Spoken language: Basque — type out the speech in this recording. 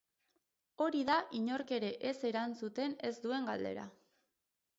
Hori da inork ere ez erantzuten ez duen galdera.